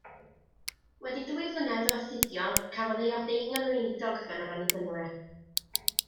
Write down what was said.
Wedi dwy flynedd o astudio cafodd ei ordeinio'n weinidog gan yr Annibynwyr.